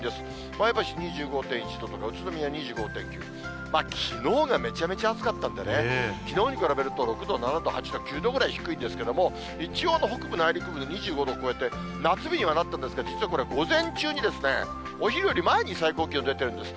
前橋２５．１度とか、宇都宮２５．９、きのうがめちゃめちゃ暑かったんでね、きのうに比べると６度、７度、８度、９度くらい低いんですけれども、一応、北部内陸部は２５度を超えて、夏日にはなったんですけど、実はこれ、午前中に、お昼より前に最高気温出てるんです。